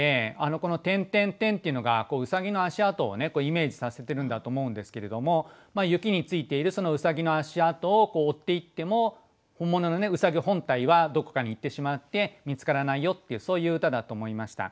この「∴∴∴」っていうのがうさぎの足跡をねイメージさせてるんだと思うんですけれども雪についているそのうさぎの足跡を追っていっても本物のうさぎ本体はどこかに行ってしまって見つからないよっていうそういう歌だと思いました。